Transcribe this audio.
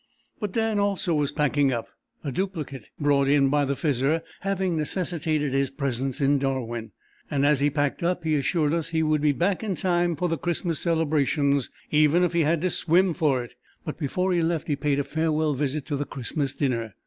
But Dan also was packing up—a "duplicate" brought in by the Fizzer having necessitated his presence in Darwin, and as he packed up he assured us he would be back in time for the Christmas celebrations, even if he had to swim for it but before he left he paid a farewell visit to the Christmas dinner.